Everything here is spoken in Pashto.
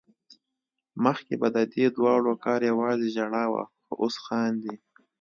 مخکې به ددې دواړو کار يوازې ژړا وه خو اوس خاندي